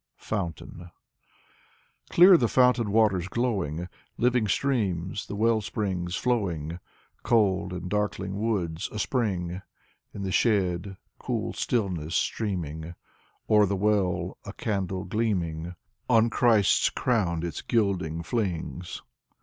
Vyacheslav Ivanov loi FOUNTAIN Clear the fountain waters glowing, Living streams, the well springs flowing, Cold, in darkling woods, a spring. In the shed, cool stillness streaming. O'er the well, a candle gleaming On Christ's crown its gilding flings.